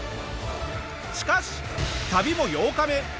しかし旅も８日目。